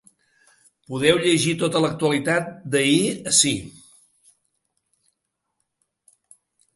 Podeu llegir tota l’actualitat d’ahir ací.